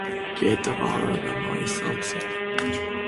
Գետը վարարում է մայիս ամսին։